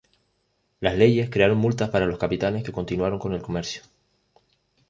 Las leyes crearon multas para los capitanes que continuaron con el comercio.